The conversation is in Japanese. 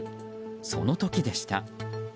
その時でした。